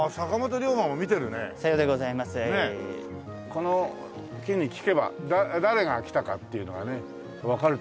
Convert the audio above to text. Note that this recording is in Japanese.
この木に聞けば誰が来たかっていうのがねわかると思うよ。